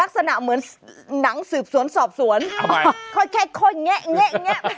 ลักษณะเหมือนหนังสืบสวนสอบสวนยังไงเขาค่อยแข็งเงะเงะ